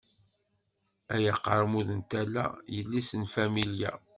Ay aqermud n tala, yelli-s n familya.